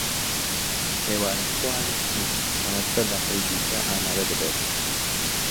ئێوارەخوان نزیک پازدە دەقەی دیکە ئامادە دەبێت.